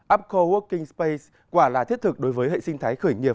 amco working space quả là thiết thực đối với hệ sinh thái khởi nghiệp